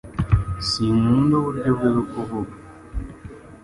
Sinkunda uburyo bwe bwo kuvuga